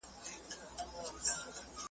د لېوه زوی نه اموخته کېږي `